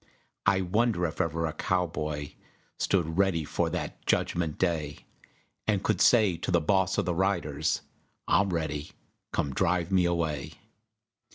I wonder if ever a cowboy Stood ready for that Judgment Day, And could say to the Boss of the Riders, "I'm ready, come drive me away."